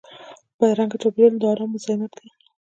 بدرنګه چاپېریال د ارام مزاحمت کوي